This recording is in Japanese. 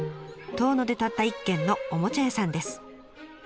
遠野でたった一軒のおもちゃ屋さんです。